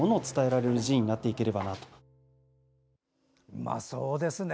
うまそうですね。